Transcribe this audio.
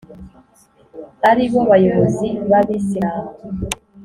ari bo bayobozi b’abisilamu.